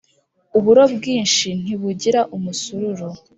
Uburo bwinshi ntibugira umusururu.